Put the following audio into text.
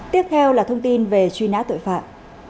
tiếp theo là thông tin về truy nã tội phạm